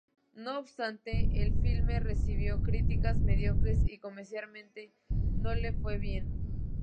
No obstante, el filme recibió críticas mediocres y comercialmente no le fue bien.